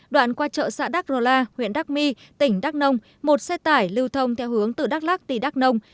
đoạn qua chợ xã đắk rô la huyện đắc my tỉnh đắk nông một xe tải lưu thông theo hướng từ đắk lắc đi đắk nông